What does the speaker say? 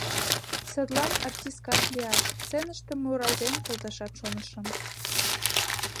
Садлан артисткат лияш, сценыште муралтен колташат шоныш.